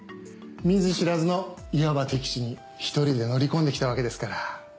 見ず知らずのいわば敵地に１人で乗り込んできたわけですから。